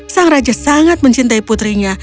sang raja sangat mencintai putrinya